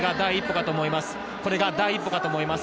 これが第一歩かと思います。